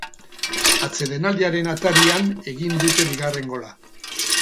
Atsedenaldiaren atarian egin dute bigarren gola.